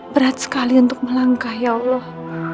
berat sekali untuk melangkah ya allah